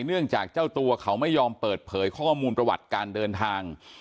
เนื่องจากเจ้าตัวเขาไม่ยอมเปิดเผยข้อมูลประวัติการเดินทาง